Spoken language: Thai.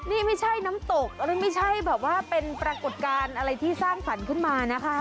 นี่ไม่ใช่น้ำตกหรือไม่ใช่แบบว่าเป็นปรากฏการณ์อะไรที่สร้างสรรค์ขึ้นมานะคะ